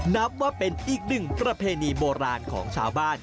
นับว่าเป็นอีกหนึ่งประเพณีโบราณของชาวบ้าน